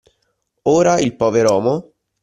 Ora il poveromo